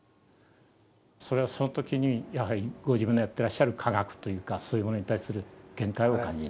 それはその時にやはりご自分がやってらっしゃる科学というかそういうものに対する限界をお感じになった？